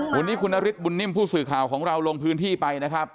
วันนี้คุณนฤทธบุญนิ่มผู้สื่อข่าวของเราลงพื้นที่ไปนะครับ